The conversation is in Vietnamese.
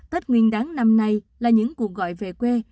tết nguyên đáng năm nay là những cuộc gọi về quê